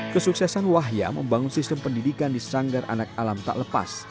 kesuksesan wahya membangun sistem pendidikan di sanggar anak alam tak lepas